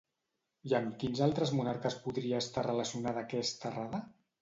I amb quins altres monarques podria estar relacionada aquesta errada?